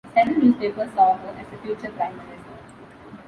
Several newspapers saw her as a future prime minister.